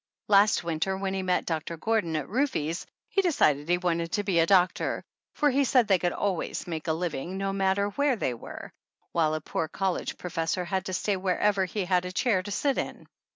Last winter when he met Doctor Gordon at Rufe's he decided he wanted to be a doctor, for he said they could always make a living, no matter where they were, while a poor college professor had to stay wherever he had a chair to sit in.